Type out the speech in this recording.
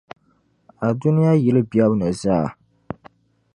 a dunia yili bebu ni zaa.